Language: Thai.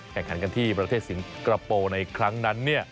แข่งขันกันที่ประเทศสิงคโปร์ในครั้งนั้น